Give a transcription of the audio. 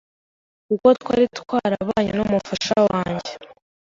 Kuko twaritwarabanye n’umufasha wanjye